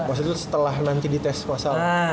maksud lo setelah nanti dites masalah